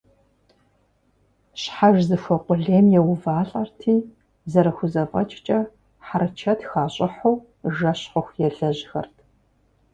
Щхьэж зыхуэкъулейм еувалӀэрти, зэрахузэфӀэкӀкӀэ, хьэрычэт хащӀыхьу, жэщ хъуху елэжьхэрт.